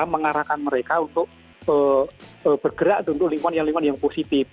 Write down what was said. mengarahkan mereka untuk bergerak untuk lingkungan lingkungan yang positif